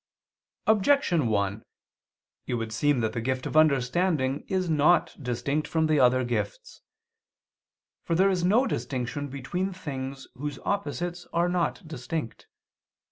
Objection 1: It would seem that the gift of understanding is not distinct from the other gifts. For there is no distinction between things whose opposites are not distinct.